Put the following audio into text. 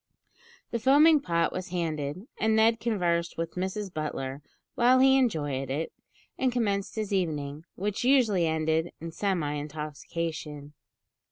The foaming pot was handed, and Ned conversed with Mrs Butler while he enjoyed it, and commenced his evening, which usually ended in semi intoxication.